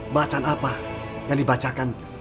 bacaan apa yang dibacakan